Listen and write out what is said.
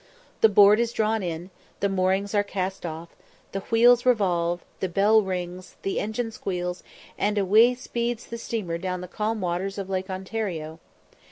The board is drawn in the moorings are cast off the wheels revolve the bell rings the engine squeals, and away speeds the steamer down the calm waters of Lake Ontario.